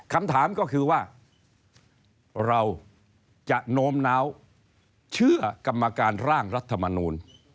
คำถามก็คือว่าเราจะโน้มน้าวเชื่อกรรมการร่างรัฐมนูล